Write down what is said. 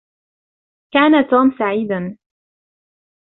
كان توم سعيدا.